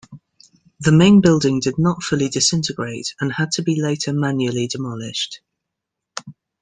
The main building did not fully disintegrate and had to be later manually demolished.